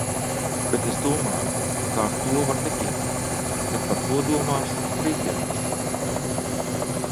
Bet domāju, ka ar to var nepietikt. Bet par to domāšu brīvdienās.